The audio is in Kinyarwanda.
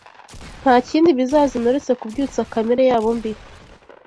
nta kindi bizazana uretse kubyutsa kamere yabo mbi